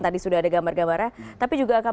tadi sudah ada gambar gambarnya tapi juga akan